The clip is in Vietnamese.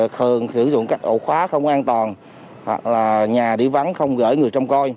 thường sử dụng các ổ khóa không an toàn hoặc là nhà đi vắng không gửi người trong coi